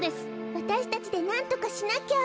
わたしたちでなんとかしなきゃ。